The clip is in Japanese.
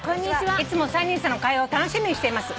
いつも３人さんの会話を楽しみにしています。